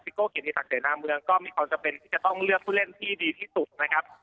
โก้เกียรติศักดิเสนาเมืองก็มีความจำเป็นที่จะต้องเลือกผู้เล่นที่ดีที่สุดนะครับ